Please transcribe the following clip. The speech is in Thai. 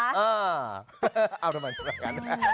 เออเอาทำไมกับกัน